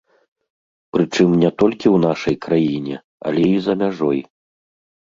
Прычым не толькі ў нашай краіне, але і за мяжой.